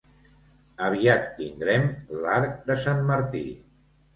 Aviat tindrem l'arc de Sant Martí.